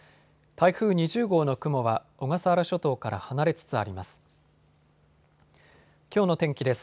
台風２０号の雲は小笠原諸島から離れつつあります。